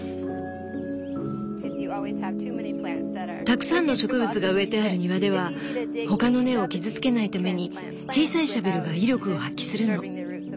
たくさんの植物が植えてある庭では他の根を傷つけないために小さいシャベルが威力を発揮するの。